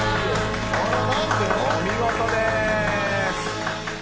お見事です。